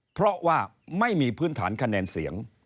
เพราะว่าไม่มีพื้นฐานคะแนนเสียง